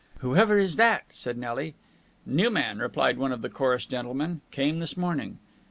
"Whoever is that?" said Nelly. "New man," replied one of the chorus gentlemen. "Came this morning."